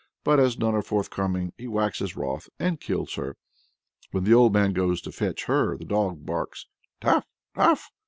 But as none are forthcoming, he waxes wroth, and kills her. When the old man goes to fetch her, the dog barks "Taff! Taff!